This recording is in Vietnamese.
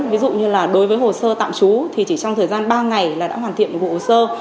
ví dụ như là đối với hồ sơ tạm trú thì chỉ trong thời gian ba ngày là đã hoàn thiện bộ hồ sơ